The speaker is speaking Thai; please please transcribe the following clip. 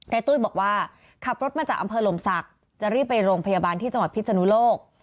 ตุ้ยบอกว่าขับรถมาจากอำเภอหลมศักดิ์จะรีบไปโรงพยาบาลที่จังหวัดพิศนุโลก